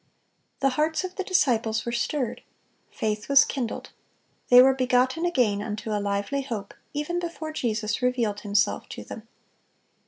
(580) The hearts of the disciples were stirred. Faith was kindled. They were "begotten again unto a lively hope," even before Jesus revealed Himself to them.